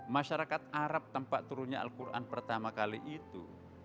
masyarakat arab tempat turunnya al quran pertama kali itu